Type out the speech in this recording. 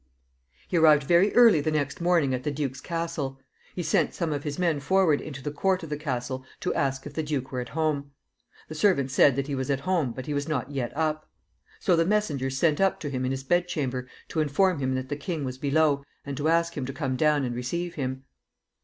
He arrived very early the next morning at the duke's castle. He sent some of his men forward into the court of the castle to ask if the duke were at home. The servants said that he was at home, but he was not yet up. So the messengers sent up to him in his bedchamber to inform him that the king was below, and to ask him to come down and receive him.